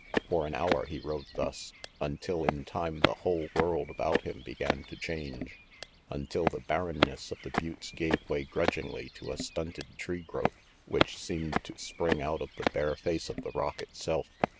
For an hour he rode thus, until in time the whole world about him began to change, until the barren ness of the buttes gave way grudgingly to a stunted tree growth which seemed to spring out of the bare face of the rock itself.